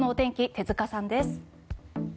手塚さんです。